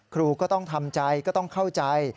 ครูก็ต้องทำใจก็ต้องเข้าใจ